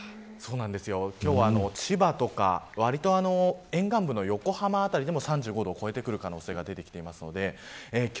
今日は千葉とか、沿岸部の横浜でも３５度を超えてくる可能性があります。